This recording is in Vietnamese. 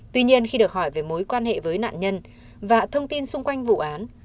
tuy nhiên khi được hỏi về mối quan hệ với nạn nhân và thông tin xung quanh vụ án